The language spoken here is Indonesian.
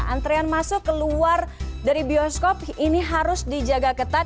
antrean masuk keluar dari bioskop ini harus dijaga ketat